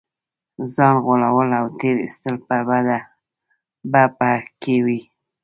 ځان غولول او تېر ایستل به په کې وي.